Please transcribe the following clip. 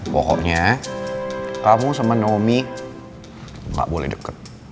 pokoknya kamu sama nomi gak boleh deket